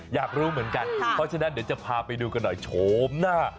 อยากรู้เหมือนกันเพราะฉะนั้นเดี๋ยวจะพาไปดูกันหน่อยโฉมหน้า